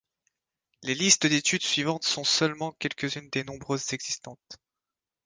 Les listes d'études suivantes sont seulement quelqu'une des nombreux existantes.